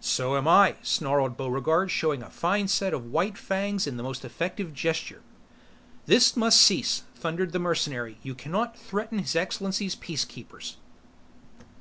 "So am I!" snarled Buregarde showing a fine set of white fangs in the most effective gesture. "This must cease!" thundered the mercenary. "You cannot threaten His Excellency's Peacekeepers!"